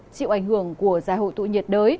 chịu ảnh hưởng của giai hội tụ nhiệt đới